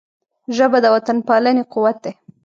ژبه د وطنپالنې قوت دی